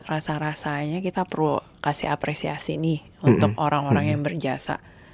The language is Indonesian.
rasa rasanya kita perlu kasih apresiasi nih untuk orang orang yang berjasa